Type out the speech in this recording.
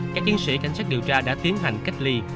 các chiến sĩ cảnh sát điều tra đã tiến hành cách ly